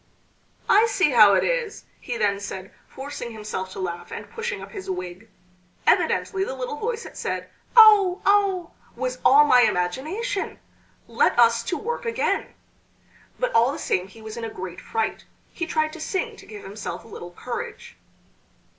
"I see how it is," he then said, forcing himself to laugh and pushing up his wig; "evidently, the little voice that said 'Oh! oh!' was all my imagination! Let us to work again." But all the same he was in a great fright; he tried to sing to give himself a little courage.